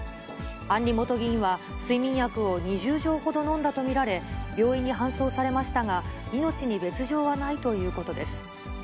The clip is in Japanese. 案里元議員は、睡眠薬を２０錠ほど飲んだと見られ、病院に搬送されましたが、命に別状はないということです。